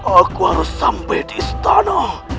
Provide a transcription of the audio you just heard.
aku harus sampai di istana